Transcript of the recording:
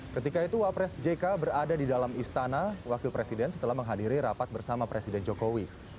ketika itu wapres jk berada di dalam istana wakil presiden setelah menghadiri rapat bersama presiden jokowi